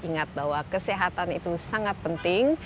ingat bahwa kesehatan itu sangat penting